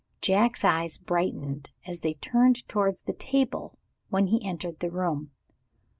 Jack's eyes brightened, as they turned towards the table when he entered the room.